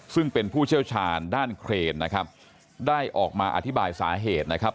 ซึ่งเป็นผู้เชี่ยวชาญด้านเครนนะครับได้ออกมาอธิบายสาเหตุนะครับ